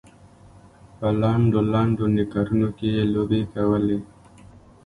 په لنډو لنډو نیکرونو کې یې لوبې کولې.